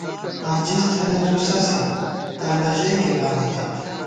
ہاجِز تھنئیت زُوسَسی، تاں نہ ژئیکےبانِمېت